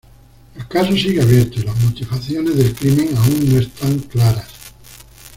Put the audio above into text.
El caso sigue abierto, y las motivaciones del crimen aún no están claros.